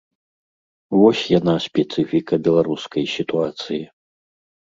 Вось яна, спецыфіка беларускай сітуацыі.